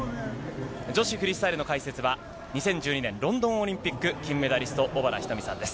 女子フリースタイルの解説は、２０１２年ロンドンオリンピック金メダリスト、小原日登美さんです。